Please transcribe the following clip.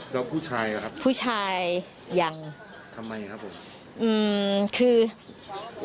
มาวานว่าไม่ถึงโทรมาหาผัวเค้าอีกแล้วนะ